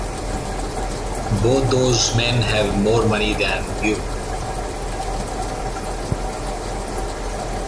Both those men have more money than you!